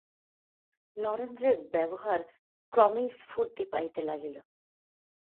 নরেন্দ্রের ব্যবহার ক্রমেই স্ফূর্তি পাইতে লাগিল।